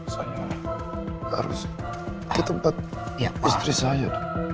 saya harus ke tempat istri saya